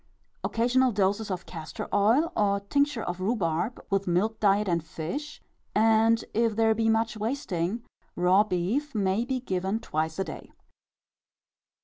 Occasional doses of castor oil or tincture of rhubarb, with milk diet and fish, and, if there be much wasting, raw beef may be given twice a day.